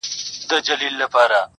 هسي رنګه چي له ژونده یې بېزار کړم٫